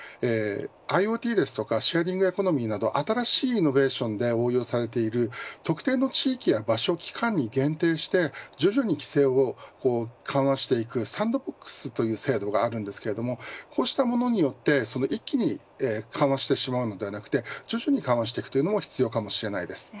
ＩｏＴですとかシェアリングエコノミーなど新しいイノベーションが応用されている特定の地域や場所期間に限定して徐々に規制を緩和していくサンドボックスという制度があるんですけれどもこうしたものによって一気に緩和してしまうのではなくて徐々に緩和していくというのも必要かもしれないです。